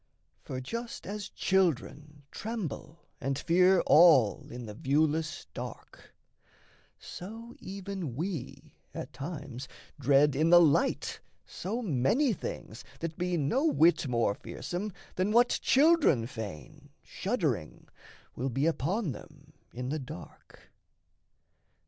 For just as children tremble and fear all In the viewless dark, so even we at times Dread in the light so many things that be No whit more fearsome than what children feign, Shuddering, will be upon them in the dark.